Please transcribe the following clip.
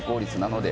ので